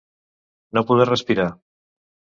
No poder respirar.